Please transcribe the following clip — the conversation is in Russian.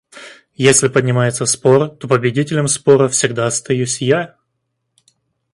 Если поднимается спор, то победителем спора всегда остаюсь я.